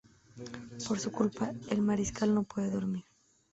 Por su culpa el mariscal no puede dormir.